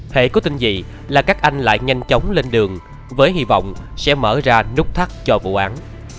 hệ có tin gì là các anh lại nhanh chóng lên đường với hy vọng sẽ mở ra nút thắt cho vụ án